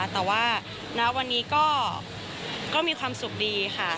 แต่ว่าณวันนี้ก็มีความสุขดีค่ะ